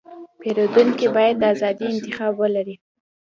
پیرودونکی باید د انتخاب ازادي ولري.